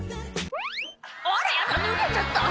「あらヤダ脱げちゃった！